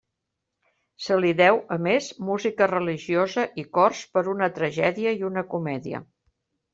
Se li deu, a més, música religiosa i cors per una tragèdia i una comèdia.